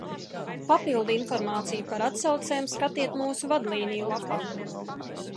Papildu informāciju par atsaucēm skatiet mūsu vadlīniju lapā.